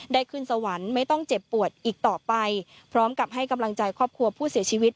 ขึ้นสวรรค์ไม่ต้องเจ็บปวดอีกต่อไปพร้อมกับให้กำลังใจครอบครัวผู้เสียชีวิต